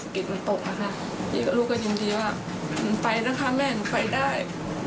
พี่กับลูกก็ยินดีว่าหนูไปนะคะแม่หนูไปได้